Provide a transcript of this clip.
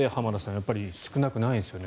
やっぱり少なくないんですね。